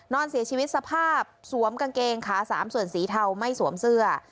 นอนเสียชีวิตสภาพสวมกางเกงขาสามส่วนสีเทาไม่สวมเสื้อ